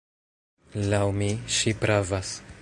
Laŭ mi, ŝi pravas.